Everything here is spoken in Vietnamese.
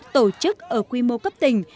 tổ chức ở quy mô cấp tỉnh